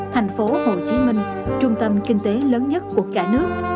thành phố hồ chí minh trung tâm kinh tế lớn nhất của cả nước